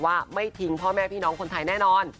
ว่าไม่ทิ้งพ่อแม่พี่น้องคนไทยแน่นอน